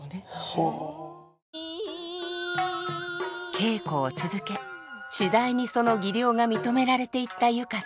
稽古を続け次第にその技量が認められていった佑歌さん。